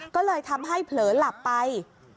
ก็เลยทำให้เผลอหลับไป